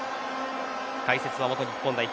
解説は元日本代表